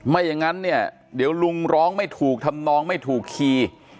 ไม่อย่างนั้นเนี่ยเดี๋ยวลุงร้องไม่ถูกทำนองไม่ถูกคีย์